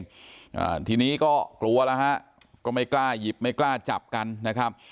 อ่าทีนี้ก็กลัวแล้วฮะก็ไม่กล้าหยิบไม่กล้าจับกันนะครับ